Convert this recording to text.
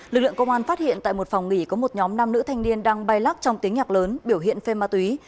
lực lượng công an phát hiện tại một phòng nghỉ có một nhóm nam nữ thanh niên đang bay lắc trong tiếng nhạc lớn biểu hiện phê ma túy